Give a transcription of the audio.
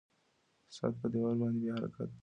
ساعت په دیوال باندې بې حرکته ولاړ دی.